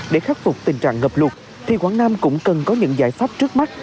để khắc phục tình trạng ngập lụt thì quảng nam cũng cần có những giải pháp trước mắt